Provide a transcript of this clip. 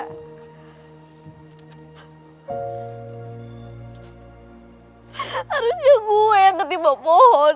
harusnya gue yang ketiba pohon